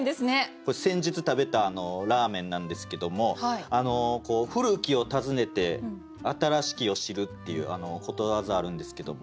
これ先日食べたラーメンなんですけども「故きを温ねて新しきを知る」っていうことわざあるんですけども。